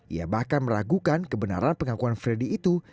ia bahkan meragukan kebenaran pengakuan freddy itu